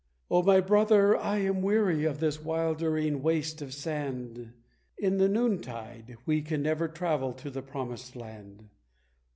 "Oh, my brother, I am weary of this wildering waste of sand; In the noontide we can never travel to the promised land!